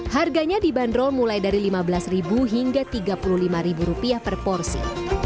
harganya dibanderol mulai dari rp lima belas hingga rp tiga puluh lima per porsi